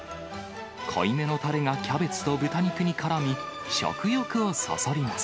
濃いめのたれがキャベツと豚肉にからみ、食欲をそそります。